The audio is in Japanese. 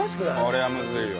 これはむずいよ。